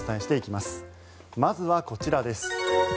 まずはこちらです。